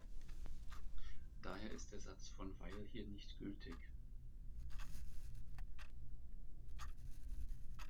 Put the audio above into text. Daher ist der Satz von Weyl hier nicht gültig.